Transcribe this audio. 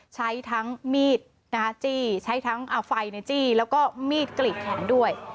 ใช้ทั้งมีดนาจีใช้ทั้งไฟนาจีแล้วก็มีดกลิ่นแขนด้วย